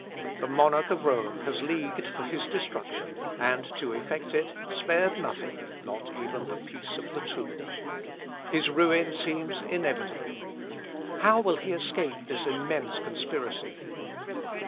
The monarch of Rome has leagued for his destruction, and to effect it, spared nothing, not even the peace of the tomb. His ruin seems inevitable. How will he escape this immense conspiracy?